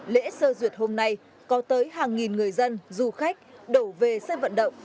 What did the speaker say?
lễ sơ duyệt hôm nay có tới hàng nghìn người dân du khách đổ về sân vận động